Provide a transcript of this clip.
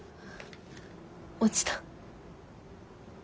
落ちた。